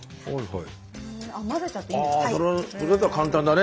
混ぜちゃっていいんですね。